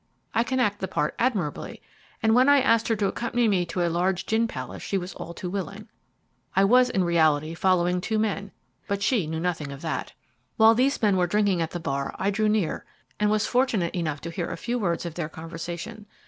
I can act the part admirably, and when I asked her to accompany me to a large gin palace she was all too willing. I was in reality following two men, but she knew nothing of that. While these men were drinking at the bar, I drew near and was fortunate enough to hear a few words of their conversation.